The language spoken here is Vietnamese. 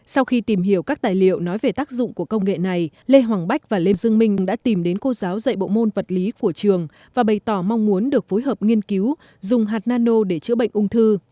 sau khi tìm hiểu các tài liệu nói về tác dụng của công nghệ này lê hoàng bách và lê dương minh đã tìm đến cô giáo dạy bộ môn vật lý của trường và bày tỏ mong muốn được phối hợp nghiên cứu dùng hạt nano để chữa bệnh ung thư